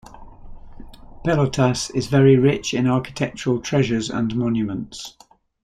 Pelotas is very rich in architectural treasures and monuments.